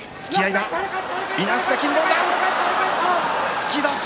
突き出し。